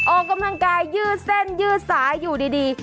ออกกำลังกายยืดเส้นยืดสายอยู่ดี